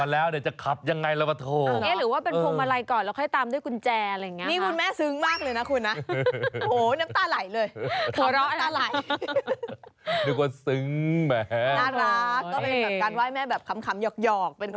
แม่อาจจะดีใจกว่าเพราะเย็น